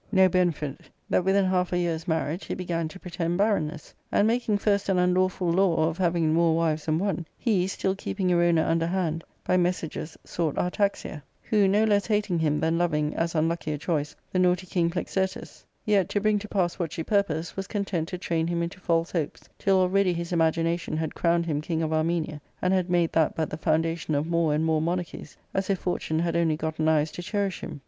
— Book 11, r benefit, that, within half a year's marriage, he began to pre M tend barrenness, and, making first an unlawful law of having mo wives than one, he, still keeping Erona under hand, by messages sought Artaxia, who, no less hating him than Ipving (as unlucky a choice) the naughty king Plexirtus, yet, to bring to pass what she purposed, was content to train him into false hopes, till already his imagination had crowned him king of Armenia, and had made that but the foundation of more and more monarchies, as if fortune had only gotten eyes to cherish hini.